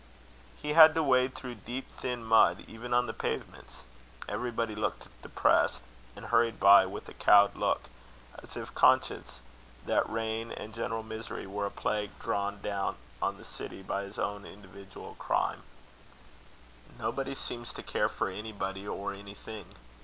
He had to wade through deep thin mud even on the pavements. Everybody looked depressed, and hurried by with a cowed look; as if conscious that the rain and general misery were a plague drawn down on the city by his own individual crime. Nobody seemed to care for anybody or anything.